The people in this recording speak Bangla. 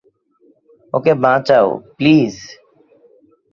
ওকে বাঁচাও প্লীজ।